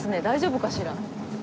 大丈夫かしら？